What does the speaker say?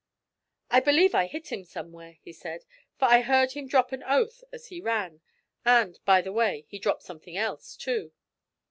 'I believe I hit him somewhere,' he said, 'for I heard him drop an oath as he ran, and, by the way, he dropped something else, too.'